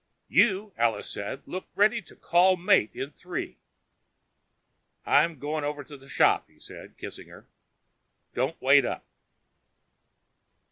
"You," Alice said, "look ready to call mate in three." "I'm going over to the shop," he said, kissing her. "Don't wait up."